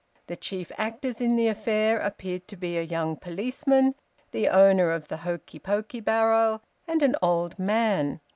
The chief actors in the affair appeared to be a young policeman, the owner of the hokey pokey barrow, and an old man.